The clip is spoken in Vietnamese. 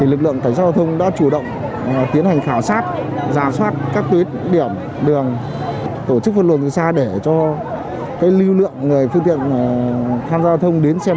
lực lượng tài giao giao thông đã chủ động tiến hành khảo sát giả soát các tuyến điểm đường tổ chức phân luồng từ xa để cho lưu lượng người phương tiện giao thông đến xe bóng đá được thuận lợi và không ổn tắc